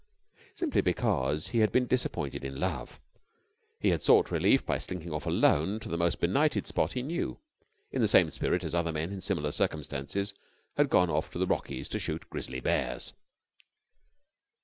Simply because he had been disappointed in love. He had sought relief by slinking off alone to the most benighted spot he knew, in the same spirit as other men in similar circumstances had gone off to the Rockies to shoot grizzly bears.